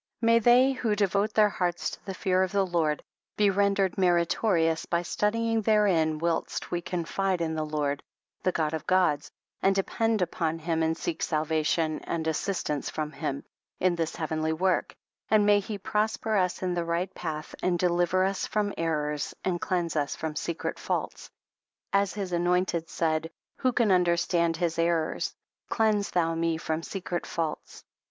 May they who devote their hearts to the fear of the Lord, be rendered meritorious by studying therein whilst we confide in the Lord, the God of Gods, and depend upon him and seek salvation and assistance from him, in this heavenly work, and may he prosper us in the right path, and deliver us from errors, and cleanse us from secret faults, as his an ointed said, " who can understand his errors ? cleanse thou me from secret faults.''''